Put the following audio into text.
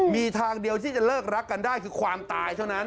มีทางเดียวที่จะเลิกรักกันได้คือความตายเท่านั้น